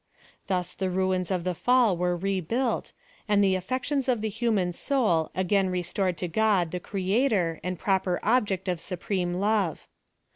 Thus the ruins of the fall were rebuilt, and the af J fections of the human soul again restored to God, the Creator, and proper object of supreme love.